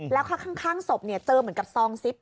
แล้วข้างศพเจอเหมือนกับซองซิป